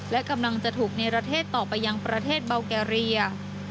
และกำลังจะถูกในประเทศต่อไปยังประเทศเบาแกเรีย